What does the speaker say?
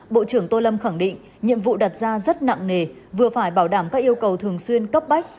bộ trưởng tô lâm khẳng định nhiệm vụ đặt ra rất nặng nề vừa phải bảo đảm các yêu cầu thường xuyên cấp bách